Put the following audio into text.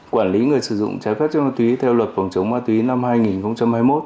quản lý người sử dụng trái phép chất ma túy theo luật phòng chống ma túy năm hai nghìn hai mươi một